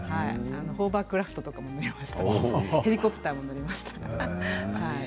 ホバークラフトとかも乗りましたしヘリコプターも乗りました。